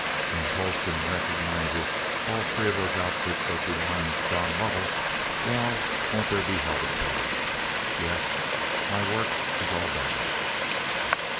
When Tolleston recognizes all three of those outfits as belonging to Don Lovell well, won't there be hell to pay? Yes, my work is all done."